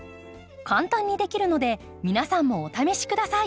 簡単にできるので皆さんもお試し下さい。